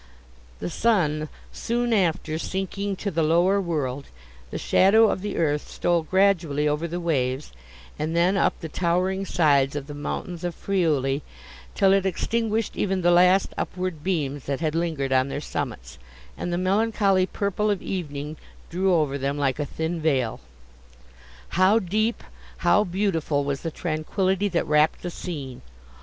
The sun, soon after, sinking to the lower world, the shadow of the earth stole gradually over the waves, and then up the towering sides of the mountains of Friuli, till it extinguished even the last upward beams that had lingered on their summits, and the melancholy purple of evening drew over them, like a thin veil. How deep, how beautiful was the tranquillity that wrapped the scene!